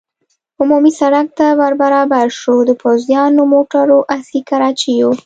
عمومي سړک ته ور برابر شو، د پوځیانو، موټرو، اسي کراچیو.